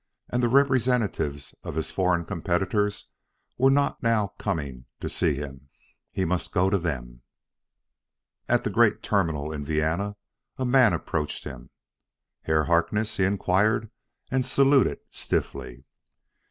And the representatives of his foreign competitors were not now coming to see him; he must go to them. At the great terminal in Vienna a man approached him. "Herr Harkness?" he inquired, and saluted stiffly.